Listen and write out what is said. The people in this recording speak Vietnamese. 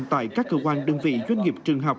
tại các cơ quan đơn vị doanh nghiệp trường học